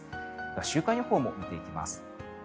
週間予報も見ていきます。